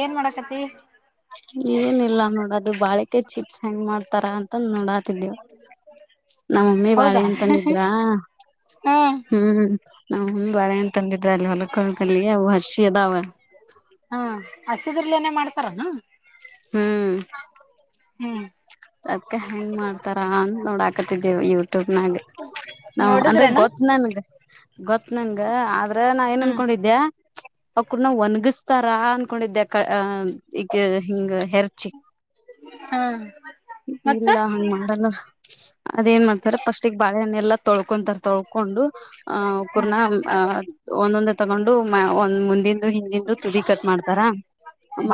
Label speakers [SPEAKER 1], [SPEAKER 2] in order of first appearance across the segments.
[SPEAKER 1] ಏನ್ ಮಾಡಕತ್ತಿ.
[SPEAKER 2] ಏನಿಲ್ಲ ನೋಡದು ಬಾಳಿಕೈ ಚಿಪ್ಸ್ ಹೆಂಗ್ ಮಾಡ್ತಾರ ಅಂತ ನೋಡಾತಿದ್ದೇವು. ನಮ್ಮಮ್ಮಿ ಬಾಳೆ
[SPEAKER 1] ಹೌದಾ
[SPEAKER 2] ಹಣ್ಣ ತಂದಿದ್ರ
[SPEAKER 1] ಹಾ
[SPEAKER 2] ಹ್ಮ್. ನಮ್ [unintelligible] ಬಾಳೆ ಹಣ್ಣ ತಂದಿದ್ರಾ ಅಲ್ಲಿ ಹೊಲಕ್ಕೋಗಲ್ಲಿ ಅವು ಹಶಿ ಅದಾವ.
[SPEAKER 1] ಹಾ ಹಸಿದ್ರಲೇನೇ ಮಾಡ್ತಾರನು.
[SPEAKER 2] ಹ್ಮ್
[SPEAKER 1] ಹ್ಮ್
[SPEAKER 2] ಅದಕ್ಕೆ ಹೆಂಗ್ ಮಾಡ್ತಾರ ಅಂತ ನೋಡಾಕತಿದೇವಿ ಯೂಟ್ಯೂಬ್ನಾಗ ನಾವು ಅಂದ್ರ
[SPEAKER 1] ನೋಡಿದ್ರೇನ
[SPEAKER 2] ಗೊತ್ತ. ನನ್ಗ ಗೊತ್ತ ನನ್ಗ ಆದ್ರ ನಾ ಏನ್
[SPEAKER 1] ಹ್ಮ್
[SPEAKER 2] ಅನ್ಕೊಂಡಿದ್ಯಾ. ಅವ ಕೂಡ ನ ಒಣಗಿಸತಾರಾ ಅನ್ಕೊಂಡಿದ್ದೆ ಅಕಾ ಹಾ ಈಗ ಹಿಂಗ ಹೆರ್ಚಿ.
[SPEAKER 1] ಹಾ
[SPEAKER 2] ಇಲ್ಲ ಹಂಗ ಮಾಡಲ್ಲ. ಅದೇಏನ್ ಮಾಡ್ತಾರ ಫಸ್ಟಿಗೆ ಬಾಳಹಣ್ಣೆ ಎಲ್ಲ ತೊಳ್ಕೊಂತಾರ ತೊಳ್ಕೊಂಡು ಆ [unintelligible] ಒಂದೊಂದ ತಗೊಂಡು ಮ್ಯ ಒಂದ್ ಮುಂದಿನ್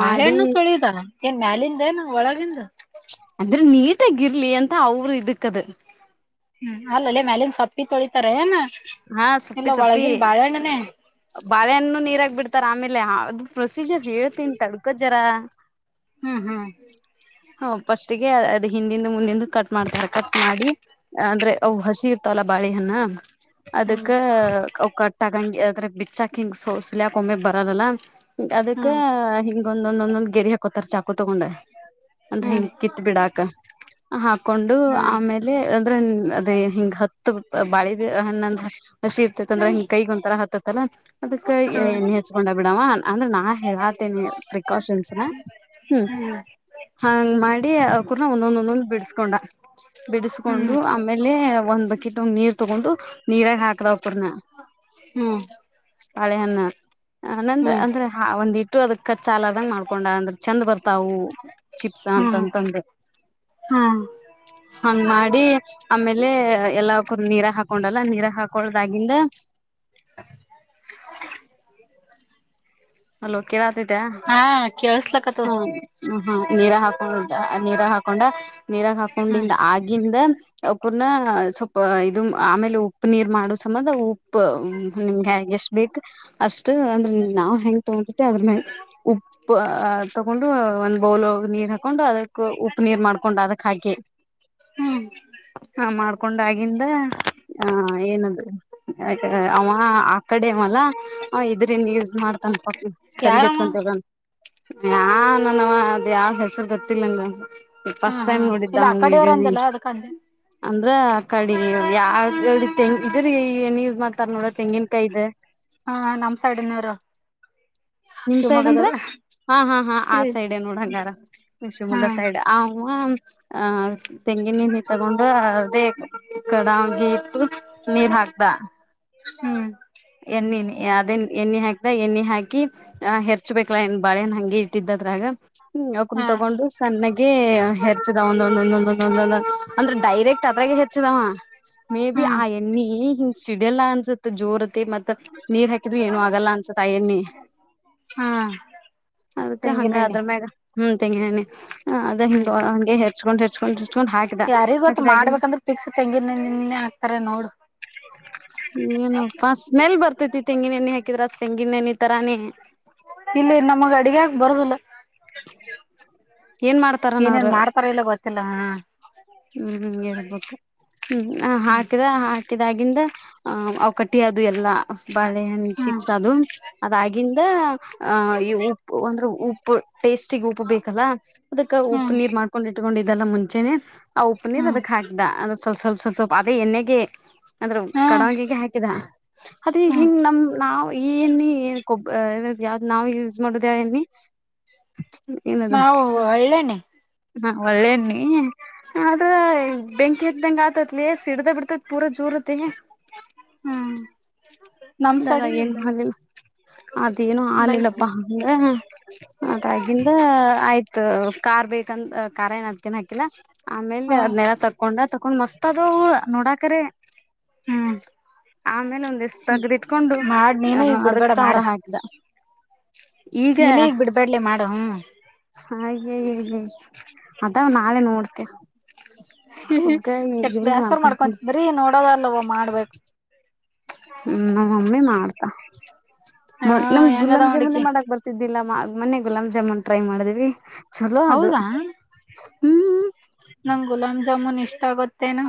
[SPEAKER 2] ಮಾಡಿ
[SPEAKER 1] ತೊಳಿದ ಏನ್ ಮ್ಯಾಲಿಂದ ಏನ ಒಳಗಿಂದ.
[SPEAKER 2] ಅಂದ್ರೆ ನೀಟಾಗಿ ಇರ್ಲಿ ಅಂತ ಅವರು ಇದಕ್ಕದ.
[SPEAKER 1] ಹ್ಮ್ ಅಲ್ಲಲ್ಲೆ ಮ್ಯಾಲೀನ್ ಸೊಪ್ಪಿ ತೊಳಿತಾರೆಏನ್.
[SPEAKER 2] ಹಾ ಸೊಪ್ಪಿ ಸೊಪ್ಪಿ ಬಾಳೆಹಣ್ಣು ನೀರ್ಗ್ಬಿಡ್ತ [unintelligible] ಆಮೇಲೆ ಅ ಪ್ರೊಸೀಜರ್ ಹೇಳ್ತೀನಿ ತಡ್ಕೋ ಜರ.
[SPEAKER 1] ಹ್ಮ್ ಹಾ
[SPEAKER 2] ಹ ಪಸ್ಟಿಗೆ ಅದ್ ಹಿಂದಿಂದು ಮುಂದಂದು ಕಟ್ ಮಾಡ್ತಾರೆ ಕಟ್ ಮಾಡಿ ಅಂದ್ರೆ ಅವು ಹಸಿ ಇರ್ತವಲ್ಲ ಬಾಳೆಹಣ್ಣ ಅದಕ್ಕ ಅವು ಕಟ್ಟಗಂಗಿ ಅದ್ರೆ ಬಿಚ್ಚಕ್ ಹಿಂಗ್ ಸೊಸಲಯಕ ಒಮ್ಮೆ ಬರದಲ್ಲ ಅದಕ್ಕ
[SPEAKER 1] ಹ್ಮ್
[SPEAKER 2] ಹಿಂಗೊಂದೊಂದ ಒಂದೊಂದ್ ಗೆರಿ ಹಾಕೋತಾರ ಚಾಕು ತಗೊಂಡಾ ಅಂದ್ರೆ
[SPEAKER 1] ಹ್ಮ್
[SPEAKER 2] ಹಿಂಗ ಕಿತ್ ಬಿಡಾಕ ಹಾಕೊಂಡು
[SPEAKER 1] ಹ್ಮ್
[SPEAKER 2] ಆಮೇಲೆ ಹೇ ಅಂದ್ರೆ ಅದೇ ಹಿಂಗ ಹತ್ತು ಬಾಳ ಹಣ್ಣಂದ ಹಸಿ ಇರ್ತೇತ್ ಅಂದ್ರೆ ಹಿಂಗ ಕೈಗ್ ಒಂತರ ಹಾತ್ತತ್ತಲ್ಲಾ ಅದಕ್ಕ
[SPEAKER 1] ಹ್ಮ್ ಹ್ಮ್
[SPEAKER 2] ಎಣ್ಣೆ ಹಚ್ಕೊಂಡ ಬಿಡವ ಅಂದ್ರೆ ನಾ ಹೇಳಾತೇನಿ ಪ್ರಿಕಾಷನ್ಸ್ನ.
[SPEAKER 1] ಹ್ಮ್
[SPEAKER 2] ಹಾಂಗ್ ಮಾಡಿ ಅವಕೂರ್ನ ಒಂದೊಂದ ಒಂದೊಂದ್ ಬಿಡಿಸಕೊಂಡ
[SPEAKER 1] ಹ್ಮ್
[SPEAKER 2] ಬಿಡಿಸಕೊಂಡು ಆಮ್ ಆಮೇಲೆ ಒಂದ್ ಬಕಿಟು ನೀರ್ ತಗೊಂಡು ನೀರಾಗ ಹಾಕದಾವಪುರ್ನ
[SPEAKER 1] ಹ್ಮ್
[SPEAKER 2] ಬಾಳೆಹಣ್ಣ. ಹ ನಂದ್
[SPEAKER 1] ಹ್ಮ್
[SPEAKER 2] ಅಂದ್ರೆ ಒಂದಿಟ್ಟು ಅದಕ್ಕ ಚಾಲದನಂಗೆ ಮಾಡ್ಕೊಂಡ ಅಂದ್ರೆ ಚಂದ್ ಬರ್ತಾವು. ಚಿಪ್ಸ್
[SPEAKER 1] ಹ್ಮ್
[SPEAKER 2] ಅಂತಂತಂದು.
[SPEAKER 1] ಹ್ಮ್
[SPEAKER 2] ಹಂಗ್ ಮಾಡಿ ಆಮೇಲೆ ಎಲ್ಲವಕ್ಕೂ ನೀರ ಹಾಕೊಂಡ- ಲ್ಲಾ ನೀರ ಹಾಕೊಳದಾಗಿಂದ ಅಲೋ ಕೇಳಾ [unintelligible]
[SPEAKER 1] ಹಾ
[SPEAKER 2] ಹಾ
[SPEAKER 1] ಕೇಳಸ್ಲಕತ್ತದ
[SPEAKER 2] ಹ ಹ್ಮ ನೀರ ಹಾಕೊಂಡ ನೀರಾಗ ಹಾಕೊಂಡ ನೀರಾಗ
[SPEAKER 1] ಹ್ಮ್
[SPEAKER 2] ಹಾಕೊಂಡಿಂದ ಆಗಿಂದ ಅಕೂರ್ನಾ ಸ್ವಲ್ಪ ಇದು ಆಮೇಲೆ ಉಪ್ಪು ನೀರ್ ಮಾಡೋ ಸಮಧ ಉಪ್ಪ ನಿಮ್ಗೆ ಎಷ್ಟ ಬೇಕ್ ಅಷ್ಟು ಅಂದ್ರೆ ನಾವು ಹೆಂಗ್ ತಗೊಂಡತಿ ಅದ್ರ್ಮ್ಯಲೆ ಉಪ್ಪ ಹಾ ತಕೊಂಡು ಒಂದ್ ಬೌಲ್ ನೀರ್ ಹಾಕೊಂಡು ಅದಕ್ ಉಪ್ಪು ನೀರ್ ಮಾಡ್ಕೊಂಡ್ ಅದಕ್ ಹಾಕಿ
[SPEAKER 1] ಹ್ಮ್
[SPEAKER 2] ಹಾ ಮಾಡ್ಕೊಂಡ್ ಆಗಿಂದ ಹ ಏನದು ಅವ ಆ ಕಡೆವಲ ಹ್ ಇದ್ರನ್ ಯೂಸ್ ಮಾಡ್ತಾನ ಪಪಿ ತಾಲಿಗ್
[SPEAKER 1] ಯಾರಮ್ಮ
[SPEAKER 2] ಹಚ್ಕೊಂತಿವಾಲ. ಯಾ ನನವ ಅದ ಯಾವ ಹೆಸರು ಗೊತ್ತಿಲ್ಲ [unintelligible]
[SPEAKER 1] ಹಾ
[SPEAKER 2] ಫಸ್ಟ್
[SPEAKER 1] ಹಾ
[SPEAKER 2] ಟೈಮ್ ನೋಡಿದ್ದ
[SPEAKER 1] ಇಲ್ಲ ಆ
[SPEAKER 2] ಅವನು
[SPEAKER 1] ಕಡೆಯವ್ರ
[SPEAKER 2] ವಿಡಿಯೋ ನೀ.
[SPEAKER 1] ಅಂದಲ್ಲ ಅದಕ್ಕಂದೆ
[SPEAKER 2] ಅಂದ್ರ ಆ ಕಡೆ ಯಾವೆಂಗ ಇದ್ರ ಏನ್ ಯೂಸ್ ಮಾಡ್ತಾರ ನೋಡ್ರ ತೆಂಗಿನ್ಕಾಯಿ ಇದೆ.
[SPEAKER 1] ಹಾ ನಮ್ ಸೈಡ್ [unintelligible]
[SPEAKER 2] ನಿಮ್ ಸೈಡ್ ಅಂದ್ರ ಹಾ ಹಾ ಹಾ ಆ
[SPEAKER 1] ಇಲ್ಲಿ
[SPEAKER 2] ಸೈಡ್ ನೋಡ್ಂಗಾರ
[SPEAKER 1] ಹಾ
[SPEAKER 2] ಶಿವಮೊಗ್ಗ ಸೈಡ್. ಆ ತೆಂಗಿನ ನೀ ತಗೊಂಡು ಅದೇ. ಕಡಂಗಿ ಹಾಗೆ ಇಟ್ಟು ನೀರ್ ಹಾಕ್ದ.
[SPEAKER 1] ಹ್ಮ್
[SPEAKER 2] ಎಣ್ಣೆ ಅದೇ ಎಣ್ಣೆ ಹಾಕ್ತ ಎಣ್ಣೆ ಹಾಕಿ. ಆ ಹೆರ್ಚ್ಬೇಕಲ್ಲಾ ಇನ್ ಬಾಳೆಹಣ್ಣು ಹಂಗಿ ಇಟ್ಟಿದ್ದದ್ರಾಗ ಹ್ಮ ಅವಕೊಂಡ
[SPEAKER 1] ಹಾ
[SPEAKER 2] ತಗೊಂಡು. ಸಣ್ಣಗೆ ಹೆಚ್ಚದ ಒಂದೊಂದ ಒಂದೊಂದೊಂದೊಂದ ಅಂದ್ರ ಡೈರೆಕ್ಟ್ ಅದ್ರಾಗ ಹೆಚ್ಚಿದಾವ ಮೇ ಬಿ
[SPEAKER 1] ಹಾ
[SPEAKER 2] ಆ ನೀ ಸಿಡಲ್ಲ ಅನ್ಸತ್ ಜೋರತಿ ಮತ್ತ್ ನೀರ್ ಹಾಕಿದವಿ ಏನು ಆಗಲ್ಲ ಅನ್ಸತ್ ಆ ಎಣ್ಣಿ
[SPEAKER 1] ಹಾ
[SPEAKER 2] ಅದಕ್ಕ ಹಂಗ
[SPEAKER 1] ತೆಂಗಿನೆಣ್ಣೆ
[SPEAKER 2] ಅದ್ರ ಮ್ಯಾಗ ಹ್ಮ ತೆಂಗಿನೇಣ್ಣಿ ಹ ಅದ
[SPEAKER 1] ಹ್ಮ್
[SPEAKER 2] ಹಿಂಗ ಹಂಗೆ ಹೆಚ್ಕೊಂಡ್ ಹೆಚ್ಕೊಂಡ್ ಹಚ್ಕೊಂಡ್ ಹಾಕಿದ
[SPEAKER 1] ಯಾರಿಗ್ ಗೊತ್ತ
[SPEAKER 2] ಹಾಕಿದಾಗಿ
[SPEAKER 1] ಕರೆ ನೋಡ್
[SPEAKER 2] ಏನೂಪ್ಪಾ ಸ್ಮೆಲ್ ಬರ್ತೈತಿ ತೆಂಗಿನ ಎಣ್ಣಿ ಹಾಕಿದ್ರ ತೆಂಗಿನ ಎಣ್ಣಿ ತರಾನೇ
[SPEAKER 1] ಇಲ್ಲಿಲ್ಲ ನಮಗ್ ಅಡಗ್ಯಾಗ್ ಬರುದಿಲ್ಲ
[SPEAKER 2] ಏನ್ ಮಾಡ್ತಾರನ ಅವ್ರ
[SPEAKER 1] ಏನೇನ್ ಮಾಡ್ತಾರ ಇಲ್ಲ ಗೊತ್ತಿಲ್ಲ ಹ್
[SPEAKER 2] ಹ್ಮ್ ಹ್ಮ ಹೇಳ್ಬಕು ಹ್ಮ್ ಹಾಕಿದ ಹಾ ಹಾಕಿದಾಗಿಂದ ಹ ಅವುಕಟ್ಟಿ ಆದುವ್ ಎಲ್ಲ ಬಾಳೆಹಣ್ಣ
[SPEAKER 1] ಹ್ಮ್
[SPEAKER 2] ಚಿಪ್ಸ್ ಅದುವ್ ಅದಾಗಿಂದ ಹ ಇ ಉಪ್ಪು ಅಂದ್ರ ಉ ಉಪ್ಪ್ ಟೇಸ್ಟಿಗೆ ಉಪ್ಪು ಬೇಕಲ್ಲ ಅದಕ್ಕ ಉಪ್ಪು
[SPEAKER 1] ಹ್ಮ್
[SPEAKER 2] ನೀರ್ ಮಾಡ್ಕೊಂಡ್ ಇಟ್ಕೊಂಡಿದ ಅಲ್ಲ ಮುಂಚೆನೆ ಆ ಉಪ್ಪು ನೀರ್
[SPEAKER 1] ಹ್ಮ್
[SPEAKER 2] ಅದಕ್ ಹಾಕದೆ ಅಂದ ಸ್ವಲ್ಪ ಸ್ವಲ್ಪ ಸ್ವಲ್ ಸ್ವಲ್ಪ ಅದೇ ಎಣ್ಣೆಗೆ ಅಂದ್ರ
[SPEAKER 1] ಹ್ಮ್
[SPEAKER 2] ಕಡಾವಂಗಿಗೆ ಹಾಕಿದ್ ಅದ ಈ
[SPEAKER 1] ಹ್ಮ್
[SPEAKER 2] ಹಿಂಗ್ ನಮ್ ನಾವ್ ಈ ಎಣ್ಣಿ ಕೊಬ್ ಯಾವ್ದ್ ನಾವ್ ಯೂಸ್ ಮಾಡುದ ಯಾವ ಎಣ್ಣಿ ಏನದ್
[SPEAKER 1] ನಾವು ಒಳ್ಳೇನೆ
[SPEAKER 2] ಹ್ ಒಳ್ಳೇಣ್ಣಿ ಆದ್ರ ಬೆಂಕಿ ಹತ್ತಿದಂಗ ಆತದಲೇ ಸಿಡ್ದ ಬಿಡ್ತೈತ್ ಪೂರ ಜೋರತ್ತಿ
[SPEAKER 1] ಹ್ಮ್ ನಮ್
[SPEAKER 2] ದಾದ
[SPEAKER 1] ಸೈಡಿಲ್ಲ
[SPEAKER 2] ಏನು
[SPEAKER 1] ಇಲ್ಲ ಆಯ್ತಾ
[SPEAKER 2] ಹಾಲಿಲ್ಲ ಅದೇನು
[SPEAKER 1] ಲೈಟ್
[SPEAKER 2] ಹಾಲಿಲ್ಲಪ್ಪಾ ಹ ಅದಾಗಿಂದ ಆಯ್ತ್ ಕಾರ್ ಬೇಕಂದ ಕಾರ್ ಏನ ಹದಕೇನ್ ಹಾಕಿಲ್ಲ ಆಮೇಲ
[SPEAKER 1] ಹಾ
[SPEAKER 2] ಅದ್ನೆಲ್ಲ ತಕೊಂಡ ತಕೊಂಡ್ ಮಸ್ತಾದವ ಅವು ನೋಡಾಕರೆ
[SPEAKER 1] ಹ್ಮ್
[SPEAKER 2] ಆಮೇಲ ಒಂದಿಸ್ ತಗ್ದಿಟ್ಕೊಂಡು
[SPEAKER 1] ಮಾಡ್ ನೀನು
[SPEAKER 2] ಹ
[SPEAKER 1] ಈಗ
[SPEAKER 2] ಅದಕ್
[SPEAKER 1] ಬಿಡ್ಬೇಡ
[SPEAKER 2] ಖಾರ
[SPEAKER 1] ಮಾಡ
[SPEAKER 2] ಹಾಕಿದ್
[SPEAKER 1] ನೀನು ಈಗ್ ಬಿಡ್ಬಾಡ್ಲೆ ಮಾಡು ಹ್ಮ್
[SPEAKER 2] ಹಾಗೆ ಇದೆ ಅದವ್ ನಾಳೆ ನೋಡ್ತಿನ್
[SPEAKER 1] ಹ ಕೆಟ್ಟ ಬ್ಯಾಸರ
[SPEAKER 2] ಮಾಡ್ಕೊಂಡ
[SPEAKER 1] ಮಾಡ್ಕೊಂತಿ ಬರಿ ನೋಡದ ಅಲ್ವ ಮಾಡ್ಬೇಕ್
[SPEAKER 2] ಹ್ಮ್ ನಮ್ಮ ಮಮ್ಮಿ ಮಾಡ್ತಾಳ್
[SPEAKER 1] ಹಾ
[SPEAKER 2] ಮ ನಮ್
[SPEAKER 1] ಹೆಂಗದ
[SPEAKER 2] ಗುಲಾಮ್ ಜಮೂನೆ
[SPEAKER 1] ನೋಡಿಕಿ
[SPEAKER 2] ಮಾಡಕ್ ಬರ್ ದಿಲ್ಲ ಮೊನ್ನೆ ಗುಲಾಮ್ ಜಾಮೂನ್ ಟ್ರೈ ಮಾಡಿದ್ವಿ ಚಲೋ ಅದು
[SPEAKER 1] ಹೌದಾ
[SPEAKER 2] ಹ್ಮ
[SPEAKER 1] ನಮ್ಗ್ ಗುಲಾಂ ಜಾಮೂನ್ ಇಷ್ಟ ಗೋತ್ತೇನ್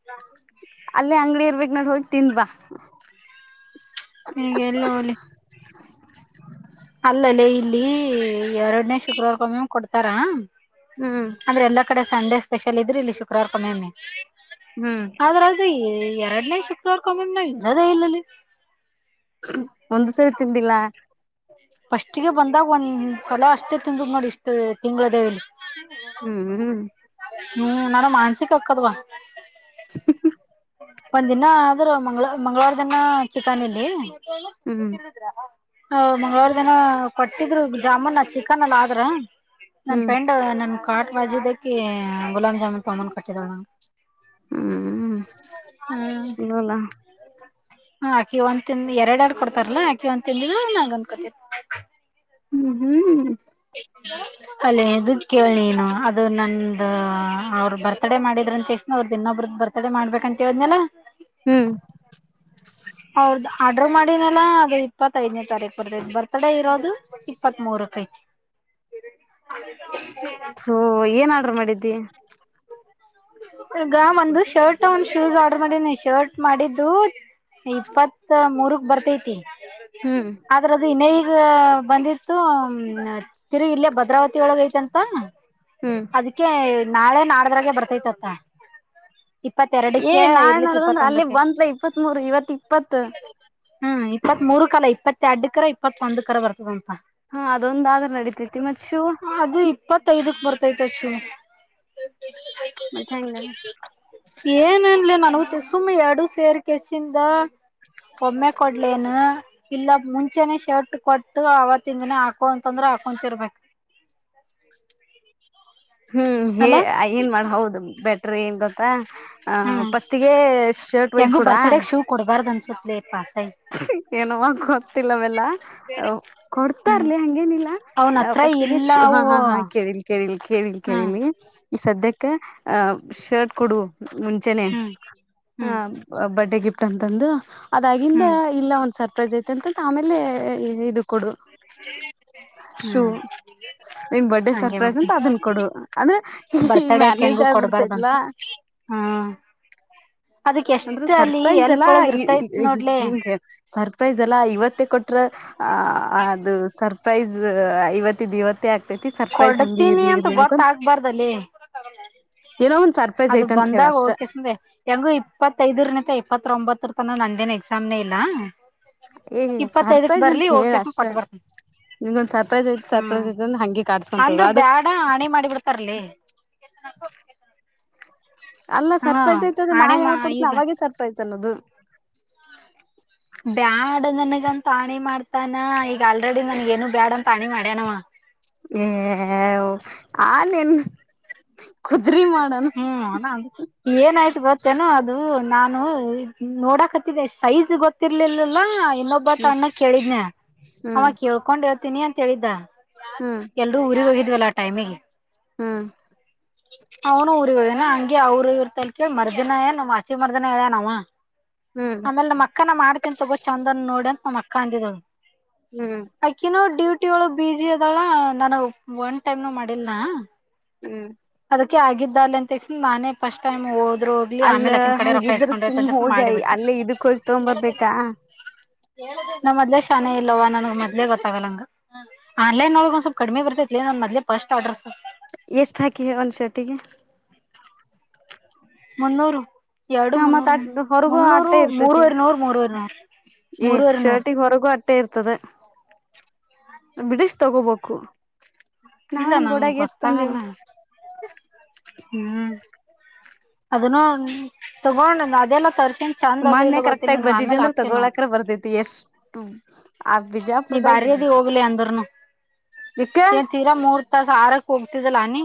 [SPEAKER 1] [inaudible]
[SPEAKER 2] ಅಲ್ಲೇ ಅಂಗಡಿ ಇರ್ಬೇಕ್ ನೋಡ ಹೋಗಿ ತಿಂದ್ ಬಾ
[SPEAKER 1] ಈಗೆಲ್ಲ್ ಹೋಲಿ ಅಲ್ಲಲ್ಲೇ ಇಲ್ಲಿ ಎರಡನೇ ಶುಕ್ರವಾರಕೊಮ್ಮೆಮ್ಮ ಕೊಡ್ತಾರ್
[SPEAKER 2] ಹ್ಮ
[SPEAKER 1] ಅಂದ್ರ ಎಲ್ಲಾ ಕಡೆ ಸಂಡೇ ಸ್ಪೆಷಲ್ ಇದ್ರ ಇಲ್ಲಿ ಶುಕ್ರವಾರಕೊಮ್ಮೆಮ್ಮಿ
[SPEAKER 2] ಹ್ಮ್
[SPEAKER 1] ಅದ್ರ.. ಎರಡನೇ ಶುಕ್ರವಾರಕೊಮ್ಮೆಮ್ಮ ನಾವ್ ಇರೋದೇ ಇಲ್ಲಲ್ಲಿ
[SPEAKER 2] ಒಂದ್ ಸರಿ ತಿಂದಿಲ್ಲ್
[SPEAKER 1] ಫಸ್ಟಿಗೆ ಬಂದಾಗ ಒಂದ್ ಸಲ ಅಷ್ಟೇ ತಿಂದದ್ ನೋಡ ಇಷ್ಟ್ ತಿಂಗಳ ಇದೇವಲಿ
[SPEAKER 2] ಹ್ಮ್ ಹ್ಮ್
[SPEAKER 1] ಹ್ಮ್ ನನಗ್ ಮಾನಸಿಕ ಹಾಕ್ಕದವ್
[SPEAKER 2] ಹ್ಮ್
[SPEAKER 1] ಒಂದಿನ ಆದ್ರ ಮಂಗ ಮಂಗಳವಾರ ದಿನ ಚಿಕನ ಇಲ್ಲೇನ್
[SPEAKER 2] ಹ್ಮ್
[SPEAKER 1] ಹ ಮಂಗಳವಾರ ದಿನ ಕೊಟ್ಟಿದ್ರ್ ಜಾಮೂನ್ ಚಿಕನ್ ಅಲ್ಲ ಆದ್ರ್ ನನ್
[SPEAKER 2] ಹ್ಮ್
[SPEAKER 1] ಫ್ರೆಂಡ್ ನನ್ ಕಾಟ್ ಬಾಜು ಇದ್ದಕಿ ಗುಲಾಮ್ ಜಾಮೂನ್ ತೊಂಬಂದ್ ಕೊಟ್ಟಿದಳ ನನಗ್
[SPEAKER 2] ಹ್ಮ್ ಚಲೋಲ್ಲ
[SPEAKER 1] ಹ್ಮ ಹ ಆಕಿ ಒಂದ್ ತಿಂದ್ ಎರ ಎರಡ್ ಕೊಡ್ತಾರಲ್ಲಾ ಆಕಿ ಒಂದ್ ತಿಂದ್ಲು ನಂಗ ಒಂದು ಕೊಟ್ಲು
[SPEAKER 2] ಹ್ಮ್ ಹ್ಮ್
[SPEAKER 1] ಹ [unintelligible] ಅಲ್ಲೇ ಇದ ಕೇಳನ ನೀನು ಅದು ನಂದ ಅವ್ರ ಬರ್ತಡೇ ಮಾಡಿದ್ರ ಅಂತ [unintelligible] ಅವ್ರ ದಿನೊಬ್ರದ ಬರ್ತ ತಡೆ ಮಾಡ್ಬೇಕಂತ ಏಳಿದ್ನೆಲ್ಲ
[SPEAKER 2] ಹ್ಮ್
[SPEAKER 1] ಅವರದು ಆಡ್ರ್ ಮಾಡಿನಲ್ಲ ಅದು ಇಪ್ಪತ್ತೈದನೇ ತಾರೀಕು ಬರ್ತೈತಿ ಬರ್ತ್ಡೇ ಇರೋದು? ಇಪ್ಪತ್ತ್ ಮೂರಕ್ ಐತಿ [unintelligible] [unintelligible]
[SPEAKER 2] ಸೋ ಏನ್ ಆರ್ಡ್ರ ಮಾಡಿದ್ದಿ
[SPEAKER 1] ಈಗ ಒಂದು ಶರ್ಟ್ ಒಂದ್ ಶೂಸ್ ಆರ್ಡರ್ ಮಾಡಿನಿ ಶರ್ಟ್ ಮಾಡಿದ್ದು ಇಪ್ಪತ್ ಮೂರಕ್ ಬರ್ತೈತಿ.
[SPEAKER 2] ಹ್ಮ್
[SPEAKER 1] ಆದ್ರ ಅದು ಇನ್ನ [unintelligible] ಬಂದಿತ್ತು ತಿರು ಇಲ್ಲೇ ಭದ್ರಾವತಿ ಒಳಗ ಐತಂತ
[SPEAKER 2] ಹ್ಮ್
[SPEAKER 1] ಅದಕ್ಕೆ ನಾಳೆ ನಾಡದ್ರಾಗೆ ಬರ್ತೈತತ್ತ.
[SPEAKER 2] ಏ
[SPEAKER 1] ಇಪ್ಪತ್ತೆರಡಕ್ಕೆ
[SPEAKER 2] ನಾಳೆ
[SPEAKER 1] ಇರ್ಲಿಕ್ಕೆ
[SPEAKER 2] ನಡ್ದಂದ್ರ ಅಲ್ಲೇ
[SPEAKER 1] ಇಪ್ಪತ್ತೊಂದಕ್ಕೆ
[SPEAKER 2] ಬಂತ್ಲ ಇಪ್ಪತ್ ಮೂರ್ ಇವತ್ ಇಪ್ಪತ್
[SPEAKER 1] [unintelligible] ಹ್ಮ್ ಇಪ್ಪತ್ ಮೂರು ಕಲಾ ಇಪ್ಪತ್ತ ಎರಡ್ ಕರ ಇಪ್ಪತ್ತ ಒಂದ ಕರ ಬರ್ತದಂಪಾ
[SPEAKER 2] ಹಾ ಅದೊಂದ್ದಾದ್ರೆ ನಡಿತೈತಿ ಮತ್ ಶೂ
[SPEAKER 1] ಅದು ಇಪ್ಪತ್ತೈದಕ್ ಬರ್ತೈತೆ [unintelligible] [unintelligible] [unintelligible]
[SPEAKER 2] ಮತ್ತೆ ಹೆಂಗ
[SPEAKER 1] ಏನನ್ಲ ನನ್ [unintelligible] ಸುಮ್ಮನೆ ಎರಡು ಸೇರ್ಕೆಸಿಂದ. ಒಮ್ಮೆ ಕೊಡ್ ಎನ ಇಲ್ಲ ಮುಂಚೆನೆ ಶರ್ಟ್ ಕೊಟ್ಟು ಅವತ್ತಿಂದನೇ ಹಾಕೋ ಅಂತಂದ್ರೆ ಹಾಕೊಂತಿರ್ಬೇಕು.
[SPEAKER 2] ಹ್ಮ್ ಹ
[SPEAKER 1] ಅಲ್ಲ
[SPEAKER 2] ಏನ್ ಮಾಡ ಹೌದು ಬೆಟ್ರಿ ಎನ್ ಗೊತ್ತಾ ಅ
[SPEAKER 1] ಹ್ಮ್
[SPEAKER 2] ಫಸ್ಟ್ಗೆ ಶರ್ಟ್ ಒಯ್ದ್
[SPEAKER 1] ಹೆಂಗು
[SPEAKER 2] ಕೂಡ
[SPEAKER 1] ಬರ್ತ್ಡೇಕ್ ಶೂ ಕೊಡ್ಬಾರ್ದು ಅನಿಸುತ್ತೆ ಪಾಸಾ
[SPEAKER 2] ಏನವ ಗೊತ್ತಿಲ್ಲವೆಲ್ಲ
[SPEAKER 1] ಹ್ಮ್
[SPEAKER 2] ಕೊಡ್ತಾರ್ಲಿ ಹಂಗೇನಿಲ್ಲ
[SPEAKER 1] ಅವನ ಹತ್ರ
[SPEAKER 2] ಪಸ್ಟ್ಗೆ ಶ
[SPEAKER 1] ಇಲ್ಲ
[SPEAKER 2] ಹಾ
[SPEAKER 1] ಅವು
[SPEAKER 2] ಹಾ ಹಾ ಕೇಳಿ. ಕೇಳಿಲಿ ಕೇಳಿಲಿ
[SPEAKER 1] ಹ್ಮ್
[SPEAKER 2] ಕೇಳಿಲಿ ಈಗ ಸದ್ಯಕ್ಕೆ ಹ ಶರ್ಟ್ ಕೊಡು ಮುಂಚೆನೆ
[SPEAKER 1] ಹ್ಮ್
[SPEAKER 2] ಹ
[SPEAKER 1] ಹ್ಮ್
[SPEAKER 2] ಬರ್ಡೇ ಗಿಫ್ಟ್ ಅಂತಂದು ಅದ್ ಇಂದ
[SPEAKER 1] ಹ್ಮ್
[SPEAKER 2] ಇಲ್ಲ ಒಂದ್ ಸರ್ಪ್ರೈಸ್ ಐತೆ ಅಂತಂತ ಆಮೇಲೆ ಇದು ಕೊಡು ಶೂ
[SPEAKER 1] ಹ್ಮ್
[SPEAKER 2] ನಿನ್ ಬರ್ಡೇ
[SPEAKER 1] ಹಂಗೆ
[SPEAKER 2] ಸರ್ಪ್ರೈಸ್ ಅಂತ
[SPEAKER 1] ಮಾಡ್ತೀನಿ
[SPEAKER 2] ಅದನ್ ಕೊಡು ಅಂದ್ರೆ ಈ ಮ್ಯಾನೇಜ್ ಆಗ್ಬಿಡ್ತೈತ್ಲಾ
[SPEAKER 1] ಹ್ಮ ಅದಕ್
[SPEAKER 2] ಅಂದ್ರೆ
[SPEAKER 1] ಎಷ್ಟ ಅಲ್ಲಿ
[SPEAKER 2] ಸರ್ಪ್ರೈಸ್
[SPEAKER 1] ಎಲ್ಪ್
[SPEAKER 2] ಎಲ್ಲಾ
[SPEAKER 1] ಒಳಗ ಇರ್ತೈತ್ ನೋಡ್ಲೆ
[SPEAKER 2] ಹಿಂಗೆ ಸರ್ಪ್ರೈಸ್ ಅಲ್ಲಾ ಇವತ್ತೇ ಕೊಟ್ರ ಹ ಅದು ಸರ್ಪ್ರೈಸ್ ಇವತ್ತಿದ್ದ ಇವತ್ತೇ ಆಗ್ತೈತಿ ಸರ್ಪ್ರೈಸ್ ಹಂಗೆ
[SPEAKER 1] ಕೊಡತೀನಿ
[SPEAKER 2] ಇರ್ಲಿ
[SPEAKER 1] ಅಂತ
[SPEAKER 2] ಇರ್ಲಿ ಅನ್ಕೊಂಡ್
[SPEAKER 1] ಗೊತ್ತಗ್ಬಾರ್ದಲ್ಲೆ
[SPEAKER 2] ಏನೋ ಒಂದ್ ಸರ್ಪ್ರೈಸ್
[SPEAKER 1] ಅದು
[SPEAKER 2] ಐತ ಅಂತ ಹೇಳ
[SPEAKER 1] ಬಂದಾಗ
[SPEAKER 2] ಅಷ್ಟ
[SPEAKER 1] ಓಕೆಸಂದೆ ಹೆಂಗು ಇಪ್ಪತ್ತೈದರನೇಕ ಇಪ್ಪತ್ತ ಒಂಬತ್ತರ ತನ ನಂದೇನ್ ಎಕ್ಸಾಮ್ನೇ ಇಲ್ಲ
[SPEAKER 2] ಏ
[SPEAKER 1] ಇಪ್ಪತ್ತೈದಕ್
[SPEAKER 2] ಸರ್ಪ್ರೈಜ್ ಅಂತ
[SPEAKER 1] ಬರ್ಲಿ
[SPEAKER 2] ಹೇಳ
[SPEAKER 1] ಹೋಗಕೆಸನ್
[SPEAKER 2] ಅಷ್ಟೇ
[SPEAKER 1] ಕೊಟ್ಟ ಬರ್ತನಿ
[SPEAKER 2] ನಿಮ್ಗೊಂದ್ ಸರ್ಪ್ರೈಸ್ ಐತ್ ಸರ್ಪ್ರೈಸ್
[SPEAKER 1] ಹ್ಮ್
[SPEAKER 2] ಅಂದು ಹಂಗೆ ಕಾಡ್ಸ
[SPEAKER 1] ಅಂದ್ರ ಬ್ಯಾಡ ಹಣೆ ಮಾಡಿ ಬಿಡ್ತಾರಲ್ಲೆ
[SPEAKER 2] ಅಲ್ಲ
[SPEAKER 1] ಹಾ
[SPEAKER 2] ಸರ್ಪ್ರೈಸ್ ಐತದ ನಾ
[SPEAKER 1] ಆಣಿ ಮಾ
[SPEAKER 2] ಯಾವಾಗ ಕೊಡ್ತನ
[SPEAKER 1] ಈಗ
[SPEAKER 2] ಅವಾಗೆ ಸರ್ಪ್ರೈಜ್ ಅನ್ನೋದು
[SPEAKER 1] ಬ್ಯಾಡ್ ನನ್ಗಂತ ಆಣಿ ಮಾಡ್ತಾನ ಈಗ ಆಲ್ರೆಡಿ ನನ್ಗ ಏನು ಬ್ಯಾಡ ಅಂತ ಆಣಿ ಮಾಡ್ಯನವ
[SPEAKER 2] ಏ ಆಣೆ ನಿನ್
[SPEAKER 1] ಹ್ಮ್ ಅಣ ಅದ ಏನಾಯ್ತ ಗೊತ್ತೇನೋ ಅದು ನಾನು ನೋಡಾಕತ್ತಿದ್ದೆ ಸೈಜ್ ಗೊತ್ತ ತ್ತರ್ಲಿಲ್ಲಿಲ್ಲ ಇನ್ನೊಬ್ಬತ
[SPEAKER 2] ಹ್ಮ್
[SPEAKER 1] ಅಣ್ಣಾಗ್ ಕೇಳಿದ್ನ ಅವ
[SPEAKER 2] ಹ್ಮ್
[SPEAKER 1] ಕೇಳ್ಕೊಂಡ್ ಹೇಳ್ತೀನಿ ಅಂತ ಹೇಳಿದ್ದ.
[SPEAKER 2] ಹ್ಮ
[SPEAKER 1] ಎಲ್ರು ಊರಿಗ ಹೋಗಿದ್ವಲ್ಲ ಆ ಟೈಮಿಗ.
[SPEAKER 2] ಹ್ಮ್
[SPEAKER 1] ಅವ್ನು ಊರಿಗ ಹೋಗ್ಯಾನ್ ಹಂಗೆ ಅವ್ರು ಇವ್ರತ ಕೇಳಿ ಮರ್ದಿನ ಏನ್ ಆಚೆ ಮರ್ದಿನ ಹೇಳ್ಯಾನ್ ಅವ್.
[SPEAKER 2] ಹ್ಮ್
[SPEAKER 1] ಆಮೇಲ್ ನಮ್ಮ ಅಕ್ಕನ ನಾ ಮಾಡ್ತೆನ್ ತಗೋ ಚಂದನ್ ನೋಡಿ ಅಂತ್ ನಮ್ಮ್ ಅಕ್ಕ ಅಂದಿದಳ.
[SPEAKER 2] ಹ್ಮ್
[SPEAKER 1] ಅಕಿನೂ ಡ್ಯೂಟಿ ಒಳಗ್ ಬಿಸಿ ಅದಾಳ ನನಗ್ ಒನ್ ಟೈಮ್ನು ಮಾಡಿಲ್ನಾ.
[SPEAKER 2] ಹ್ಮ್
[SPEAKER 1] ಅದಕ್ಕೆ ಆಗಿದ್ದಾಲಿ ಅಂತೆಸಿಂದ ನಾನೇ ಫಸ್ಟ್ ಟೈಮ್ ಹೋದ್ರು ಇಲ್ಲಿ
[SPEAKER 2] ಅಲ್ಲ
[SPEAKER 1] ಆಮೇಲ ಅಕ್ಕಿನ ಕಡೆ ರೊಕ್ಕ
[SPEAKER 2] ಹಂಗಿದ್ರ
[SPEAKER 1] ಇಸ್ಕೊಂಡ್ರ ಆಯ್ತ್
[SPEAKER 2] ಸುಮ್
[SPEAKER 1] ಅಂತಕೇಸಿಂದ
[SPEAKER 2] ಹೋಗಿ
[SPEAKER 1] ಮಾಡಿಬಿಟ್ಟ
[SPEAKER 2] ಅಲ್ಲೇ ಇದಕ್ ಹೋಗಿ ತಗೊಬರ್ಬೇಕಾ
[SPEAKER 1] ನಾ ಮೊದ್ಲೆ ಶಾನೆ ಇಲ್ಲವ ನನ್ಗ ಮೊದ್ಲೆ ಗೊತ್ತಾಗಲ್ಲಂಗ ಆನ್ಲೈನ್ ಒಳಗ ಒನ್ ಸ್ವಲ್ಪ್ ಕಡಿಮೀ ಬರ್ತೈತ್ಲೆ ನನ್ ಮದ್ಲೆ ಫಸ್ಟ್ ಆರ್ಡರ್ಸ
[SPEAKER 2] ಎಷ್ಟ ಹಾಕಿ ಹೇಳ್ ಒಂದ್ ಶರ್ಟಿಗೆ?
[SPEAKER 1] ಮುನ್ನೂರು ಎರಡು
[SPEAKER 2] ಹ ಮತ್
[SPEAKER 1] ಮುನ್ನೂರು
[SPEAKER 2] ಅ ಹೊರಗೂ
[SPEAKER 1] ಮುನ್ನೂರು
[SPEAKER 2] ಅಟ್ಟೆ ಇರ್ತತಿ
[SPEAKER 1] ಮೂರುವರಿ ನೂರ ಮೂರವರಿ ನೂರ.
[SPEAKER 2] ಏ ಶರ್ಟಿಗ ಹೊರಗು ಇದ್ದೆ ಇರ್ತದ ಬಿಡಿಶಿ ತಗೋಬೇಕು. ನಾವು
[SPEAKER 1] ಇಲ್ಲ
[SPEAKER 2] ನಮ್ಮ್
[SPEAKER 1] ನಂಗ್
[SPEAKER 2] ಗೋಡಗೆಸ್ ತಂದೆವ.
[SPEAKER 1] ಗೊತ್ತಾಗಲ್ಲ ಹ್ಮ್ ಅದನ್ನು ತೋಗೊಂಡ್ ಅದೆಲ್ಲ ತರ್ಸ
[SPEAKER 2] ಮೊನ್ನೆ ಕರೆಕ್ಟಾಗಿ ಬಂದಿದ್ದಿ ಅಂದ್ರ ತೊಗೋಳಕ್ ಅರಾ ಬರ್ತೈತಿ ಎಷ್ಟು ಆ ಬೀಜಾ
[SPEAKER 1] ನೀ ಭಾರಿ ಅದಿ ಹೋಗ್ಲೆ ಅಂದ್ರೂನು
[SPEAKER 2] ಇಕ್ಕ
[SPEAKER 1] ಏನ್ ತೀರಾ ಮೂರ್ ತಾಸ ಆರಕ್ ಹೋಗ್ತಿದ್ದಲ ನೀ?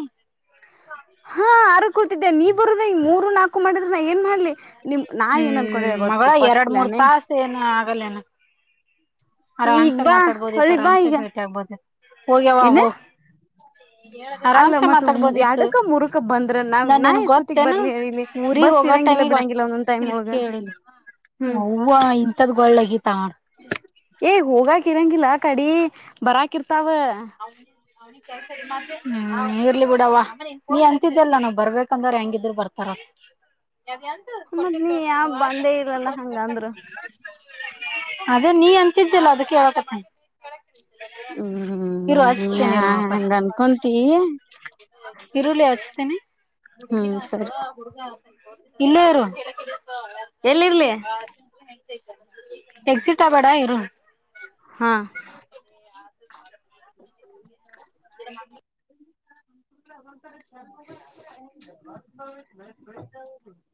[SPEAKER 2] ಹಾ ಆರಕ್ ಹೋತಿದ್ದೆ ನೀ ಬರುದ ಮೂರು ನಾಲ್ಕು ನಾಲ್ಕೂ ಮಾಡಿದ್ರ ನಾ ಏನ್ ಮಾಡ್ಲಿ ನಿಮ್ ನಾ ಏನ್ ಅನ್ಕೊಂಡಿದೆ ಗೊತ್ತು ಫಸ್ಟ್ ಪ್ಲಾನೆ.
[SPEAKER 1] ನ ಆಗಲ್ಲೆನ್?
[SPEAKER 2] ಈಗ
[SPEAKER 1] ಆರಾಮ್ಸೆ
[SPEAKER 2] ಬಾ
[SPEAKER 1] ಮಾತಾಡ್ಬೋದಿತ್ತು
[SPEAKER 2] ಹೊಳಿ ಬಾ
[SPEAKER 1] ಆರಾಮ್ಸೆ
[SPEAKER 2] ಈಗ
[SPEAKER 1] ಭೇಟಿ ಆಗ್ಬೋದೀತ್ತ ಹೋಗ್ಯವ್ವಾ
[SPEAKER 2] ಏನ
[SPEAKER 1] ಹೋಗ.
[SPEAKER 2] ಅಲ್ಲ ಮತ್
[SPEAKER 1] ಮಾತಾಡ್ಬೋದಿತ್ತು
[SPEAKER 2] ಯಾಡಕ ಮುರಕ್ಕ್ ಬಂದ್ರ ನಾವ
[SPEAKER 1] ನಾನ್
[SPEAKER 2] ನಾ
[SPEAKER 1] ನಿನ್ಗ್
[SPEAKER 2] ಎಷ್ಟೊತ್ತಿಗ
[SPEAKER 1] ಗೊತ್ತೇನು
[SPEAKER 2] ಬರ್ಲಿ ಹೇಳ ಇಲ್ಲಿ?
[SPEAKER 1] ಊರಿಗ್
[SPEAKER 2] ಬಸ್
[SPEAKER 1] ಹೋಗೋ
[SPEAKER 2] ಇರಂಗಿಲ್ಲ
[SPEAKER 1] ಟೈಮಿಗ್ ಅಷ್ಟ್
[SPEAKER 2] ಬಿಡಂಗಿಲ್ಲ ಒಂದೊಂದ್ ಟೈಮ್ ಒಳಗ ಹ್ಮ್.
[SPEAKER 1] ವ ಇಂಥದ್ ಗೊಳ್ಳ ವಗಿತಾಳ ನೋಡ್.
[SPEAKER 2] ಏ ಹೋಗಾಕ ಇರಂಗಿಲ್ಲ ಆಕಡಿ ಬರಾಕ ಇರ್ತಾವ.
[SPEAKER 1] ಹ್ಮ್ ಇರ್ಲಿ ಬಿಡವ್ವಾ. ನೀ ಅಂತಿದ್ದಲ್ಲ ನಾವ್ ಬರ್ಬೇಕಂದ್ರ ಹೆಂಗಿದ್ರೂ ಬರ್ತಾರ ಅಂತ್.
[SPEAKER 2] ಮತ್ ನೀ ಯಾವ ಬಂದೇ ಇಲ್ಲಲ್ಲ ಹಂಗಂದ್ರ.
[SPEAKER 1] ಅದೇ ನೀ ಅಂತಿದ್ದಲ್ಲ ಅದಕ್ಕೆ ಹೇಳಕತ್ತೇನ್. ಇರು
[SPEAKER 2] ಹ್ಮ್
[SPEAKER 1] ಹಚ್ತ್ತಿನಿ ಇರು ವಾಪಸ್.
[SPEAKER 2] ಹಂಗ ಅನ್ಕೊಂತೀ
[SPEAKER 1] ಇರುಲೇ ಹಚ್ಚತಿನಿ.
[SPEAKER 2] ಹ್ಮ್ ಸರಿ
[SPEAKER 1] ಇಲ್ಲೇ ಇರು.
[SPEAKER 2] ಎಲ್ಲಿರ್ಲಿ
[SPEAKER 1] ಎಕ್ಸಿಟ್ ಆಬೇಡ ಇರು.
[SPEAKER 2] ಹಾ [unintelligible]
[SPEAKER 1] ಹ
[SPEAKER 2] [unintelligible]